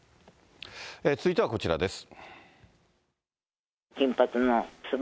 続いてはこちらです。